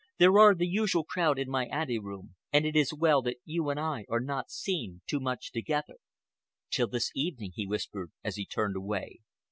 There are the usual crowd in my anteroom, and it is well that you and I are not seen too much together." "Till this evening," he whispered, as he turned away.